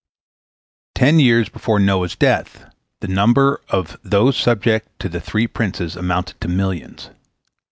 Ten years before Noah's death, the number of those subject to the three princes amounted to millions.